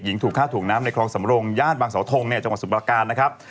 ย่านบางสาวทงจังหวัดสุปราการนะครับ